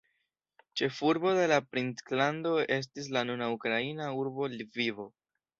Ĉefurbo de la princlando estis la nuna ukraina urbo Lvivo.